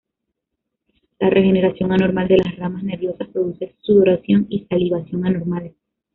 La regeneración anormal de las ramas nerviosas produce sudoración y salivación anormales.